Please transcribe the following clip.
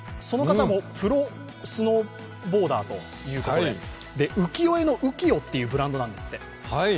その方もプロスノーボーダーということで、浮世絵のＵＫＩＹＯっていうブランドなんですって。